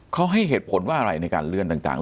เขาให้เหตุผลว่าอะไรในการเลื่อนต่าง